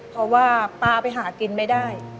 เพราะว่าป้าไปหากินไม่ได้